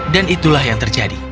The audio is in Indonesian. dan itulah yang terjadi